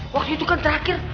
waktu itu kan terakhir